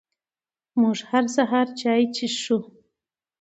موږ هر سهار چای څښي🥃